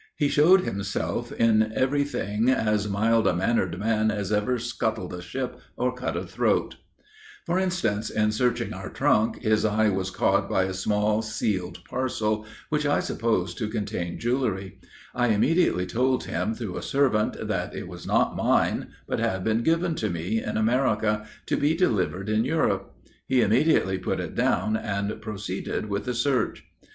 He showed himself, in every thing, "As mild a mannered man As ever scuttled ship, or cut a throat" For instance, in searching our trunk, his eye was caught by a small, sealed parcel, which I supposed to contain jewelry; I immediately told him, through a servant, that it was not mine, but had been given to me, in America, to be delivered in Europe. He immediately put it down, and proceeded with the search.